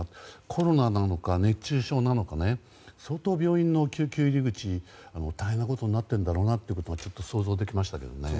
コロナなのか熱中症なのか相当病院の救急入り口大変なことになってるんだろうなと想像できましたけどね。